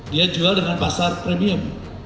dia jual dengan pasar premium